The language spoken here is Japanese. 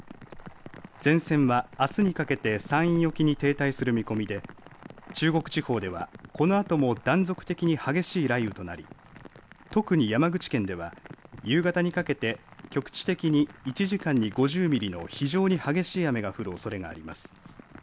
前線は、あすにかけて山陰沖に停滞する見込みで中国地方ではこのあとも断続的に激しい雷雨となり特に山口県では夕方にかけて局地的に１時間に５０ミリの非常に激しい雨が降るおそれがあります。